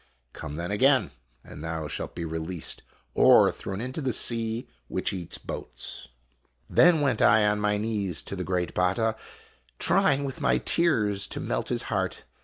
Come then again, and thou shalt be released or thrown into the sea which eats boats." Then went I on my knees to the great Batta, trying with my tears to melt his heart.